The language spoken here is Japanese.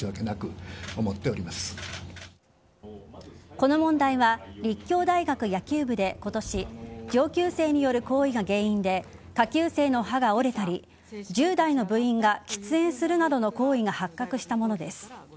この問題は立教大学野球部で今年上級生による行為が原因で下級生の歯が折れたり１０代の部員が喫煙するなどの行為が発覚したものです。